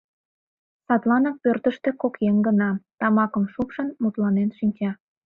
Садланак пӧртыштӧ кок еҥ гына, тамакым шупшын, мутланен шинча.